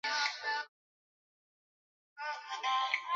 Kila mahali ulipo